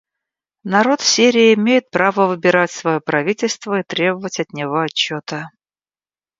Народ Сирии имеет право выбирать свое правительство и требовать от него отчета.